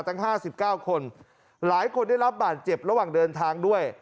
ตั้งห้าสิบเก้าคนหลายคนได้รับบาดเจ็บระหว่างเดินทางด้วย